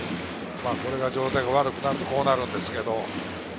状態が悪くなるとこうなるんですけれど。